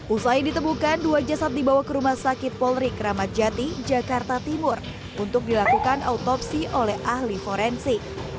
usai ditemukan dua jasad dibawa ke rumah sakit polri kramat jati jakarta timur untuk dilakukan autopsi oleh ahli forensik